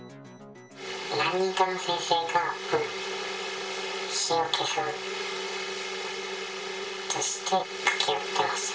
何人かの先生が火を消そうとして駆け寄ってました。